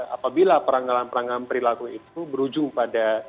apabila peranggalan peranggalan perilaku itu berujung pada